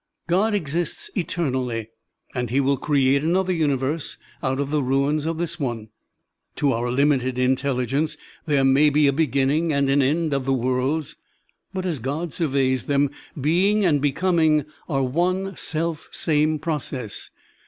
God exists eternally, and he will create another tmiverse out of the ruins of this one. To our limited intelligence there may be a beginning and an end of the worlds, but as God surveys them, being and becoming are one selfsame process.